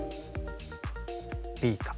Ｂか